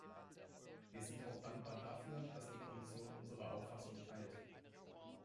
Wir sind auch dankbar dafür, dass die Kommission unsere Auffassung teilt.